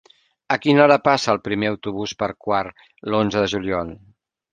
A quina hora passa el primer autobús per Quart l'onze de juliol?